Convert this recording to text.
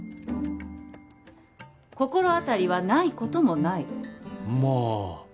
心当たりはないこともないま